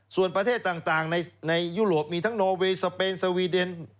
ส่วนประเทศต่างในยุโรปมีทั้งโนเวย์สเปนสวีเดน